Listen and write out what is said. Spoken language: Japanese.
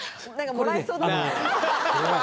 もらいそうだな。